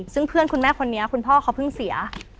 ซึ่งเพื่อนคุณแม่คนนี้คุณพ่อเขาเพิ่งเสีย